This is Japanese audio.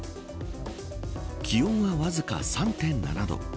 気温はわずか３．７度。